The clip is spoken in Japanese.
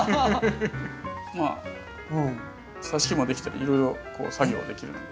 まあさし木もできたりいろいろ作業はできるので。